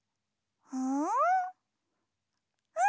うん？